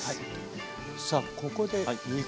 さあここで肉。